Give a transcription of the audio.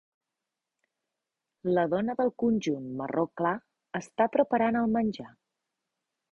La dona del conjunt marró clar està preparant el menjar.